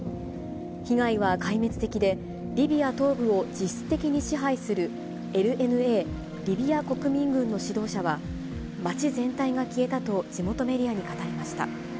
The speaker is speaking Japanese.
被害は壊滅的で、リビア東部を実質的に支配する、ＬＮＡ・リビア国民軍の指導者は、街全体が消えたと地元メディアに語りました。